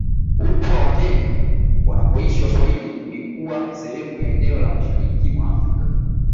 Upwa wa Kenya wanakoishi Waswahili ulikuwa sehemu ya eneo la mashariki mwa Afrika